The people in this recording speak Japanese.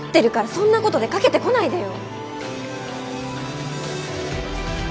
そんなことでかけてこないでよ。